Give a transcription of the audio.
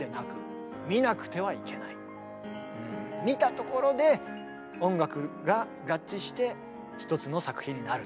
見たところで音楽が合致して一つの作品になると。